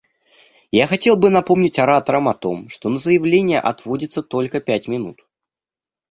Я хотел бы напомнить ораторам о том, что на заявления отводится только пять минут.